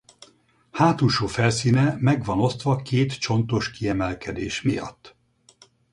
Hátulsó felszíne meg van osztva két csontos kiemelkedés miatt.